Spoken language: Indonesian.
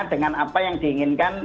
dengan apa yang diinginkan